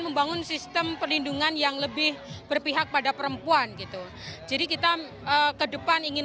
membangun sistem perlindungan yang lebih berpihak pada perempuan gitu jadi kita kedepan ingin